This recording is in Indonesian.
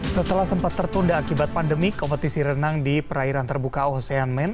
setelah sempat tertunda akibat pandemi kompetisi renang di perairan terbuka ocean man